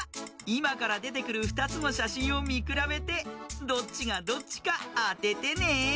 いまからでてくる２つのしゃしんをみくらべてどっちがどっちかあててね。